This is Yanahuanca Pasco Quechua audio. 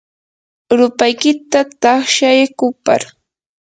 rupaykita taqshay kupar.